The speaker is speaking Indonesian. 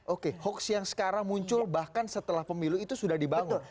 oke hoax yang sekarang muncul bahkan setelah pemilu itu sudah dibangun